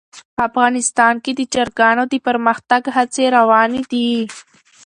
افغانستان کې د چرګانو د پرمختګ هڅې روانې دي.